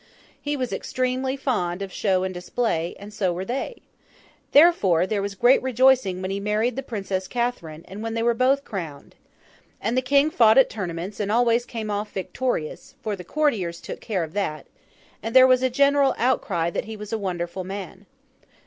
He was extremely fond of show and display, and so were they. Therefore there was great rejoicing when he married the Princess Catherine, and when they were both crowned. And the King fought at tournaments and always came off victorious—for the courtiers took care of that—and there was a general outcry that he was a wonderful man.